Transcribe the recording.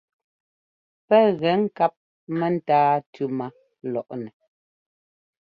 Pɛ́ gɛ ŋkáp mɛ́táa tʉ́ má lɔʼnɛ.